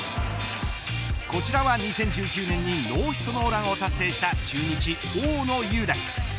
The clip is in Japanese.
こちらは２０１９年にノーヒットノーランを達成した中日、大野雄大。